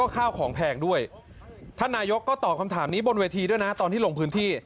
ข้าวของแพงด้วยท่านนายกก็ตอบคำถามนี้บนเวทีด้วยนะตอนที่ลงพื้นที่